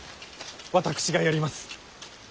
私がやります。